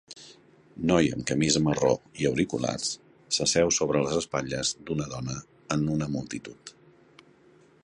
Noi amb camisa marró i auriculars s'asseu sobre les espatlles d'una dona en una multitud.